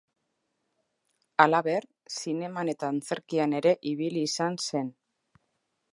Halaber, zineman eta antzerkian ere ibili izan zen.